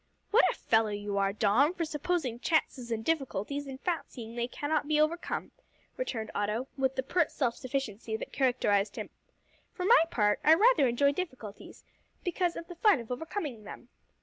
"What a fellow you are, Dom, for supposing chances and difficulties, and fancying they cannot be overcome," returned Otto, with the pert self sufficiency that characterised him. "For my part I rather enjoy difficulties, because of the fun of overcoming them.